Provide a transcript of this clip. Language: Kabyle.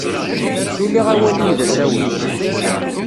Suliɣ awal-iw d-asawen.